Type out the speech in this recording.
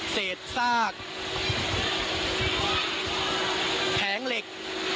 เศษซากแผงเหล็ก